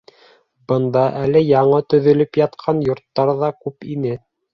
Бында әле яңы төҙөлөп ятҡан йорттар ҙа күп ине.